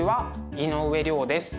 井上涼です。